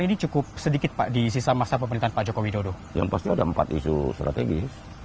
ini cukup sedikit pak di sisa masa pemerintahan pak jokowi dodo yang pasti ada empat isu strategis